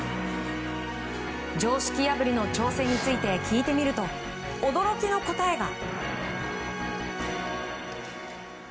常識破りの挑戦ついて聞いてみると驚きの答えが。